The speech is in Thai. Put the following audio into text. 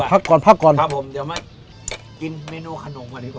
พักก่อนพักก่อนครับผมเดี๋ยวมากินเมนูขนมก่อนดีกว่า